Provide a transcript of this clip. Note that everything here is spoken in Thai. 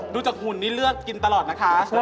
ดูจากหุ่นนี่เลือกกินตลอดนะคะ